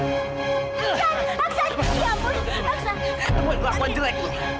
itu buat lakukan jelek loh